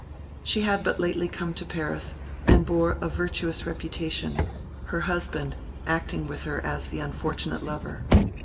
She had but lately come to Paris, and bore a virtuous reputation, her husband acting with her as the unfortunate lover.